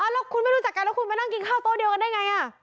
แล้วคุณไม่รู้จักกันแล้วคุณไปนั่งกินข้าวโต๊ะเดียวกันได้ไง